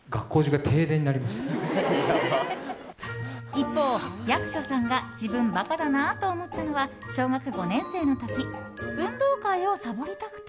一方、役所さんが自分、ばかだなと思ったのは小学５年生の時運動会をサボりたくて。